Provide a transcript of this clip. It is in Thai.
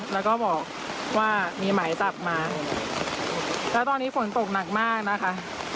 แล้วก็บอกว่ามีหมายจับมาแล้วตอนนี้ฝนตกหนักมากนะคะ